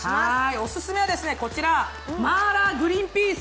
オススメはこちら、マーラーグリーンピース。